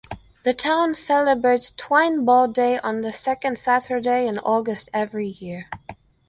The town celebrates "Twine Ball Day" on the second Saturday in August every year.